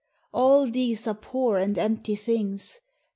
all these are poor and empty things